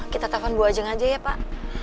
kita tahan buah jeng aja ya pak